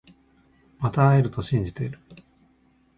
また会えると信じてる